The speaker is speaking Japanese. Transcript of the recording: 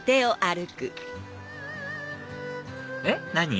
えっ何？